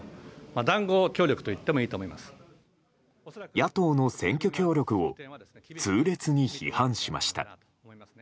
野党の選挙協力を痛烈に批判しました。